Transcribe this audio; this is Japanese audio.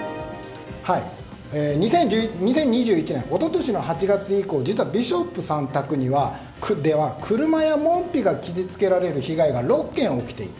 ２０２１年、一昨年８月以降実はビショップさん宅には車や門扉が傷つけられる被害が６件起きていた。